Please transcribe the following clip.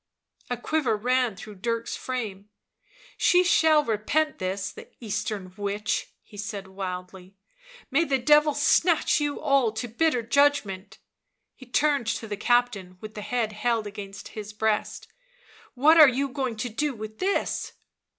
" A quiver ran through Dirk's frame. " She shall repent this, the Eastern witch !" he said wildly. " May the Devil snatch you all to bitter judgment !" He turned to the captain, with the head held against his breast. "What are you going to do with this?"